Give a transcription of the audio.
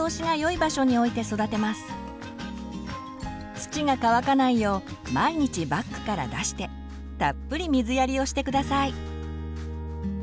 土が乾かないよう毎日バッグから出してたっぷり水やりをして下さい。